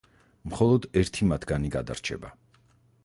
მხოლოდ ერთი მათგანი გადარჩება.